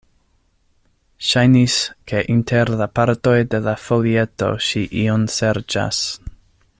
Ŝajnis, ke inter la partoj de la folieto ŝi ion serĉas.